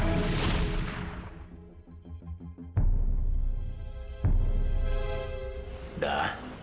yaitu sayur bayam sama sambal terasi